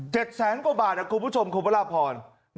เจ็ดแสนกว่าบาทน่ะคุณผู้ชมครูพระราชภรณ์